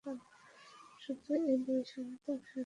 শুধু এই দুই সন্তান স্বার্থপর।